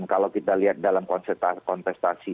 kalau kita lihat dalam kontestasi